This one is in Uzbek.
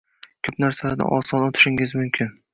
koʻp narsalardan oson oʻtishingiz mumkin.